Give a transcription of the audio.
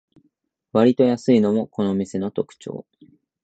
わりと安いのもこの店の特長